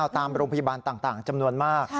ตามโรงพยาบาลต่างจำนวนมาก